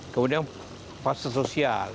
kemudian fase sosial